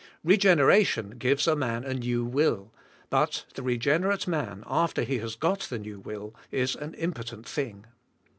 Reg eneration g ives a man a new will, but the re g enerate man, after he has got the new will, is an impotent thing.